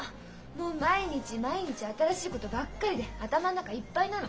もう毎日毎日新しいことばっかりで頭の中いっぱいなの。